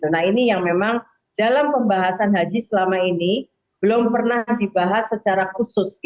nah ini yang memang dalam pembahasan haji selama ini belum pernah dibahas secara khusus